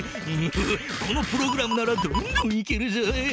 このプログラムならどんどん行けるぞ。